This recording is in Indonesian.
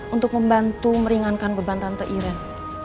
untuk membantu meringankan beban tante iran